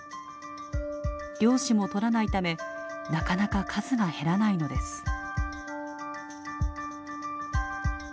漁師も取らないためなかなか数が減らないのです。